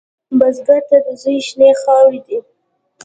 بزګر ته زوی د شنې خاورې دی